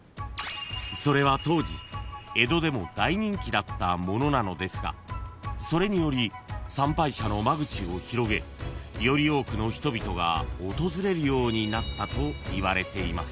［それは当時江戸でも大人気だったものなのですがそれにより参拝者の間口を広げより多くの人々が訪れるようになったといわれています］